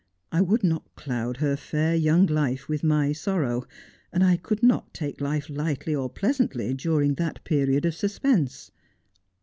I would not cloud her fair young life with my sorrow, and I could not take life lightly or pleasantly during that period of suspense.